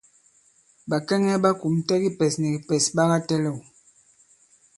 Bàkɛŋɛ ɓa kùmtɛ kipɛs ni kìpɛ̀s ɓa katɛ̄lɛ̂w.